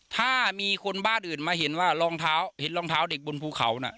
ถ้ามีคนบ้านอื่นมาเห็นว่ารองเท้าเห็นรองเท้าเด็กบนภูเขาน่ะ